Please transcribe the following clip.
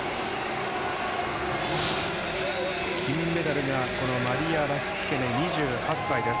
金メダルがマリヤ・ラシツケネ、２８歳。